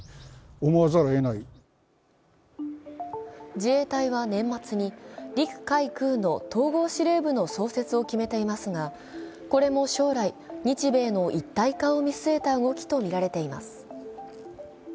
自衛隊は年末に陸海空の統合指令部の創設を決めていますがこれも将来、日米の一体化を見据えた動きとみられています。